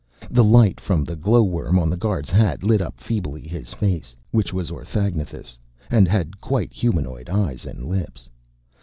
The light from the glowworm on the guard's hat lit up feebly his face, which was orthagnathous and had quite humanoid eyes and lips.